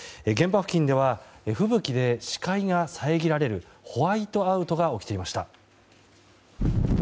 現場付近では吹雪で視界が遮られるホワイトアウトが起きていました。